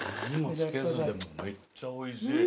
めっちゃおいしい。